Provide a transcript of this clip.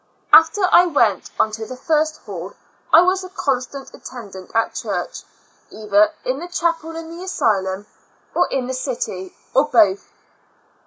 After I went on to the first hall, I was a constant attendant at church, either in the J^Y A L UNATIC ASYL UM. g \ chapel in the asylum, or in the city, or both.